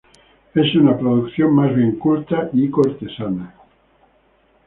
Es una producción más bien culta y cortesana.